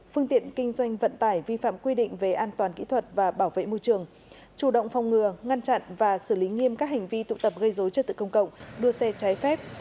phương tiện kinh doanh vận tải vi phạm quy định về an toàn kỹ thuật và bảo vệ môi trường chủ động phòng ngừa ngăn chặn và xử lý nghiêm các hành vi tụ tập gây dối trật tự công cộng đua xe trái phép